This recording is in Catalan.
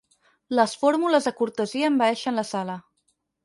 Les fórmules de cortesia envaeixen la sala.